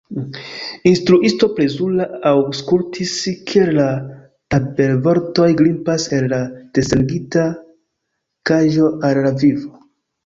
Instruisto plezure aŭskultis kiel la tabelvortoj grimpas el la desegnita kaĝo al la vivo.